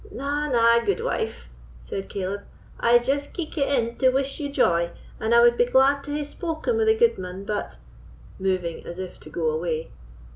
"Na, na, gudewife," said Caleb; "I just keekit in to wish ye joy, and I wad be glad to hae spoken wi' the gudeman, but——" moving, as if to go away.